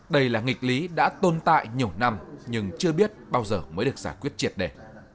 đây là nghịch lý đã tồn tại nhiều năm nhưng chưa biết bao giờ mới được giải quyết triệt đề